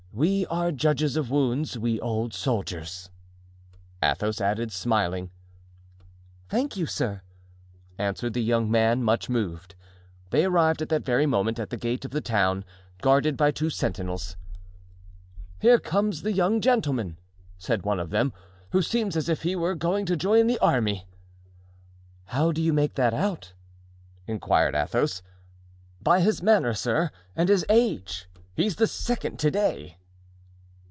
We are judges of wounds, we old soldiers," Athos added, smiling. "Thank you, sir," answered the young man, much moved. They arrived that very moment at the gate of the town, guarded by two sentinels. "Here comes a young gentleman," said one of them, "who seems as if he were going to join the army." "How do you make that out?" inquired Athos. "By his manner, sir, and his age; he's the second to day."